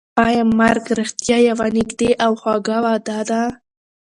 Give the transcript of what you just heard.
ایا مرګ رښتیا یوه نږدې او خوږه وعده ده؟